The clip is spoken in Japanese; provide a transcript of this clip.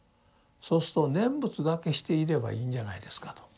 そうすると念仏だけしていればいいんじゃないですかと。